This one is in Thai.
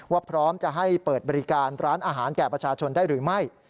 พร้อมจะให้เปิดบริการร้านอาหารแก่ประชาชนได้หรือไม่